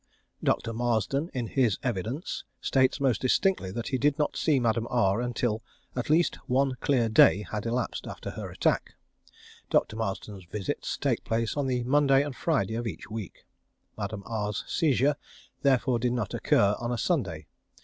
Dr. Marsden, in his evidence, states most distinctly that he did not see Madame R until at least "one clear day" had elapsed after her attack. Dr. Marsden's visits take place on the Monday and Friday of each week. Madame R's seizure therefore did not occur on a Sunday.